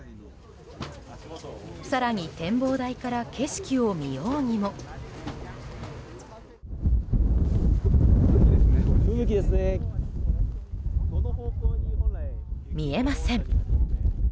更に展望台から景色を見ようにも。見えません。